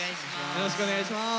よろしくお願いします。